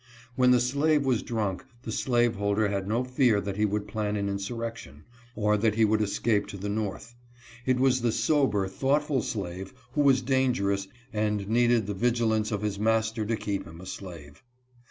When the slave was drunk the slaveholder had no fear that he would plan an insur rection, or that he would escape to the North. It was the sober, thoughtful slave who was dangerous and needed the vigilance of his master to keep him a slave.